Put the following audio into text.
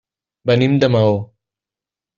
Venim de Maó.